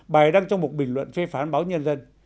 bài đăng trong một bình luận phê phán báo nhân dân